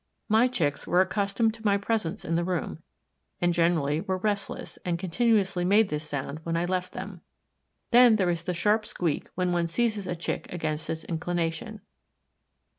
My Chicks were accustomed to my presence in the room, and generally were restless, and continuously made this sound when I left them. Then there is the sharp squeak when one seizes a Chick against its inclination.